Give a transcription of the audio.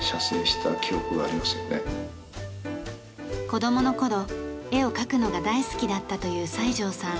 子供の頃絵を描くのが大好きだったという西條さん。